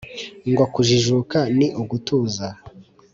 ngo kujijuka ni ugutuza,